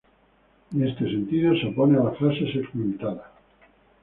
En este sentido, se opone a la frase segmentada.